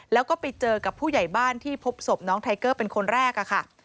แล้วก็ไปเจอกับผู้ใหญ่บ้านที่พบศพน้องไทเกอร์เป็นคนแรกค่ะ